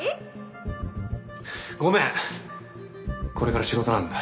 ごめんこれから仕事なんだ。